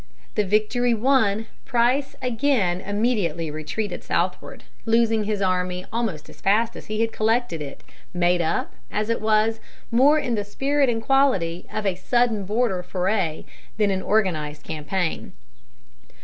The victory won, Price again immediately retreated southward, losing his army almost as fast as he had collected it, made up, as it was, more in the spirit and quality of a sudden border foray than an organized campaign.